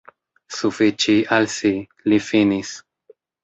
Sufiĉi al si, li finis.